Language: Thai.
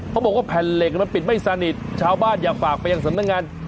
เขาบอกว่าแผ่นเหล็กมันปิดไม่สนิทชาวบ้านอยากฝากไปยังสำนักงาน